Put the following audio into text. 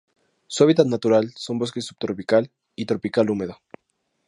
Su hábitat natural son bosques subtropical o tropical húmedo.